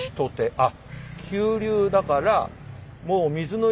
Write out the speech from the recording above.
あっ！